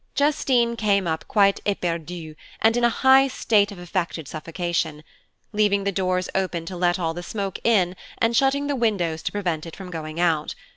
Justine came up quite éperdue, and in a high state of affected suffocation; leaving the doors open to let all the smoke in, and shutting the windows to prevent it from going out.